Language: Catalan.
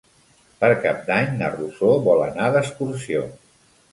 Per Cap d'Any na Rosó vol anar d'excursió.